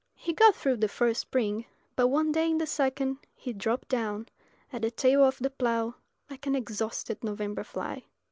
He got through the first spring; but one day in the second he dropped down at the tail of the plough like an exhausted November fly.